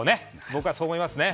僕はそう思いますね。